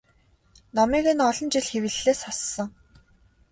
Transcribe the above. Номыг нь олон жил хэвлэлээс хассан.